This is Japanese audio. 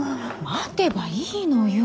待てばいいのよ。